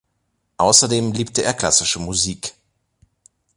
Außerdem liebte er klassische Musik.